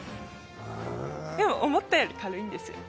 でも思ったより軽いんですよ。